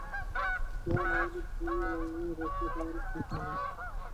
তোমার মোবাইল ভুলে রেখে যাওয়াটা ঠিক হয়নি।